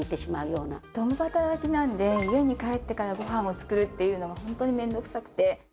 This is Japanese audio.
共働きなので家に帰ってからご飯を作るっていうのがホントに面倒くさくて。